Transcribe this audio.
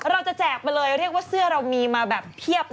แจกไปเลยเรียกว่าเสื้อเรามีมาแบบเพียบเลย